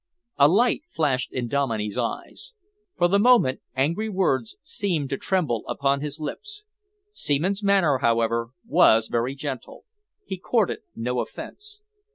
A light flashed in Dominey's eyes. For the moment angry words seemed to tremble upon his lips. Seaman's manner, however, was very gentle. He courted no offence.